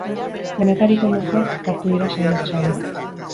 Denetariko emozioak uztartu dira saioz saio.